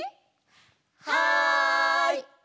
はい！